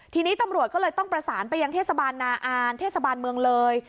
ทีนี้ตำรวจก็เลยต้องประสานไปยังเทศบาลนาอานเทศบาลเมืองเลย